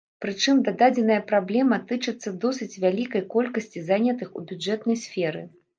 Прычым дадзеная праблема тычыцца досыць вялікай колькасці занятых у бюджэтнай сферы.